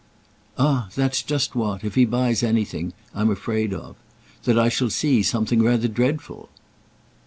"Ah that's just what—if he buys anything—I'm afraid of: that I shall see something rather dreadful."